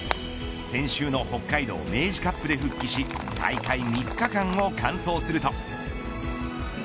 先週の北海道明治カップで復帰し大会３日間を完走すると。